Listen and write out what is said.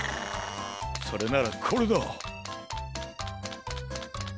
それならこれだ！